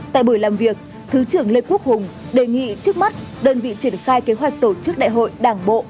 tại buổi làm việc thứ trưởng lê quốc hùng đề nghị trước mắt đơn vị triển khai kế hoạch tổ chức đại hội đảng bộ